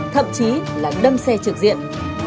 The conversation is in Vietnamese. thậm chí là đâm xe trực diện